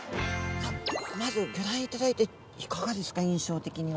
さあまずギョ覧いただいていかがですか印象的には。